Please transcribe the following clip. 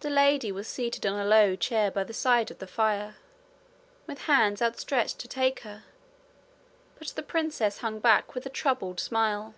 The lady was seated on a low chair by the side of the fire, with hands outstretched to take her, but the princess hung back with a troubled smile.